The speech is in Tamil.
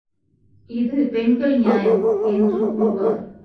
இது பெண்கள் நியாயம்! என்று கூறுவார்.